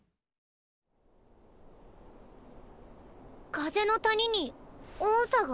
風の谷に音叉が？